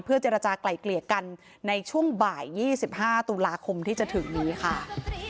เจรจากลายเกลี่ยกันในช่วงบ่าย๒๕ตุลาคมที่จะถึงนี้ค่ะ